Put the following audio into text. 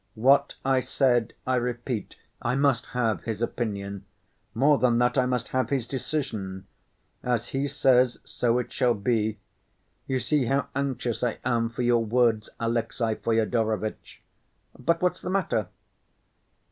"What I said, I repeat. I must have his opinion. More than that, I must have his decision! As he says, so it shall be. You see how anxious I am for your words, Alexey Fyodorovitch.... But what's the matter?"